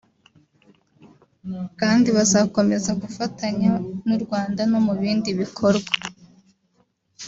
kandi bazakomeza gufatanya n’u Rwanda no mu bindi bikorwa